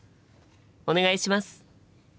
お願いします！